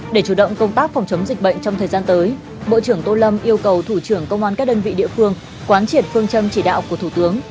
để chủ động công tác phòng chống dịch bệnh trong thời gian tới bộ trưởng tô lâm yêu cầu thủ trưởng công an các đơn vị địa phương quán triệt phương châm chỉ đạo của thủ tướng